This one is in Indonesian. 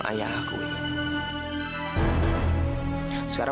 ayah benci sama lara